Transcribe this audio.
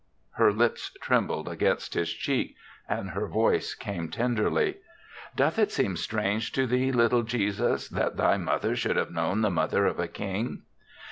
Her lips trembled against his cheek and her voice came ten derly. "Doth it seem strange to thee, little Jesus, that thy mother should have known the mother of a King?